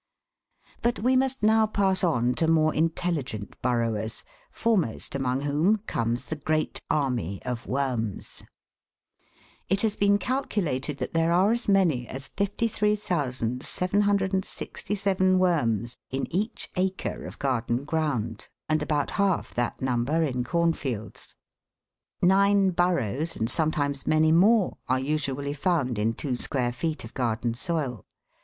But we must now pass on to more intelligent burrowers, foremost among whom comes the great army of worms. It has been calculated that there are as many as 53,767 worms in each acre of garden ground, and about half that number in cornfields. Nine burrows, and sometimes many more, are usually found in two square feet of garden soil j WORM BURROWS.